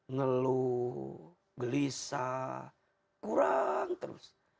ngeluh gelisah kurang terus